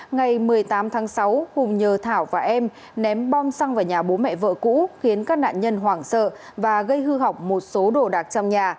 ngày một mươi tám tháng sáu hùng nhờ thảo và em ném bom xăng vào nhà bố mẹ vợ cũ khiến các nạn nhân hoảng sợ và gây hư hỏng một số đồ đạc trong nhà